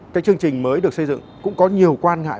cái chương trình mới được xây dựng cũng có nhiều quan ngại